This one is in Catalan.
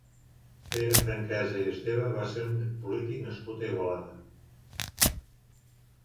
Pere Franquesa i Esteve va ser un polític nascut a Igualada.